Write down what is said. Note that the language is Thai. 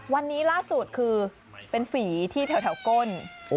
วันนี้ล่าสุดคือเป็นฝีที่แถวก้น